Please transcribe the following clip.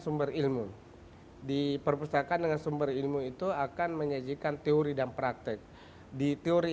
sumber ilmu di perpustakaan dengan sumber ilmu itu akan menyajikan teori dan praktek di teori